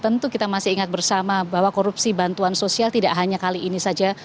tentu kita masih ingat bersama bahwa korupsi bantuan sosial tidak hanya kali ini saja